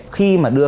khi mà đưa